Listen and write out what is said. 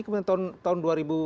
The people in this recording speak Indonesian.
kemudian tahun dua ribu dua